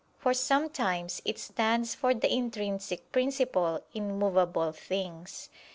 For sometimes it stands for the intrinsic principle in movable things.